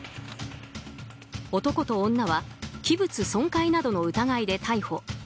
男と女は器物損壊などの疑いで逮捕。